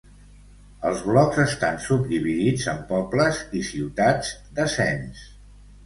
Els blocs estan subdividits en pobles i ciutats de cens.